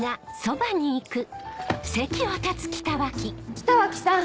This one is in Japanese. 北脇さん！